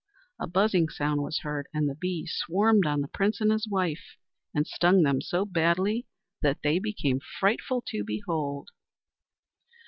A buzzing sound was heard, and then the Bees swarmed on the Prince and his wife, and stung them so badly that they became frightful to behold.